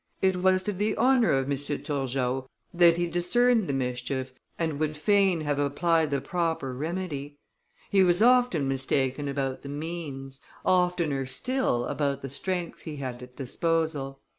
It was to the honor of M. Turgot that he discerned the mischief and would fain have applied the proper remedy. He was often mistaken about the means, oftener still about the strength he had at disposal.